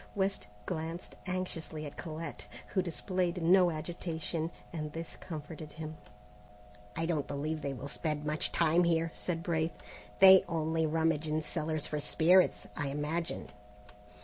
West glanced anxiously at Colette, who displayed no agitation, and this comforted him. "I don't believe they will spend much time here," said Braith; "they only rummage in cellars for spirits, I imagine."